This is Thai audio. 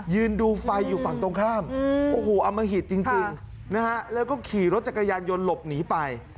ยืนดูไฟอยู่ฝั่งตรงข้ามโอ้โหอมหิตจริงนะฮะแล้วก็ขี่รถจักรยานยนต์หลบหนีไป